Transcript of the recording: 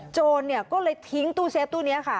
โจรก็เลยทิ้งตู้เซฟตู้นี้ค่ะ